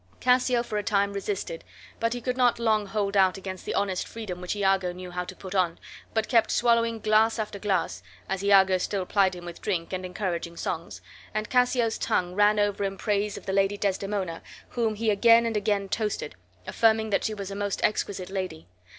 Cassio for a time resisted, but he could not long hold out against the honest freedom which Iago knew how to put on, but kept swallowing glass after glass (as Iago still plied him with drink and encouraging songs), and Cassio's tongue ran over in praise of the Lady Desdemona, whom he again and again toasted, affirming that she was a most exquisite lady.